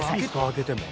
開けても。